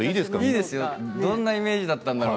どんなイメージだったんだろう？